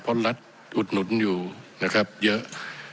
เพราะรัฐอุดหนุนอยู่นะครับเยอะ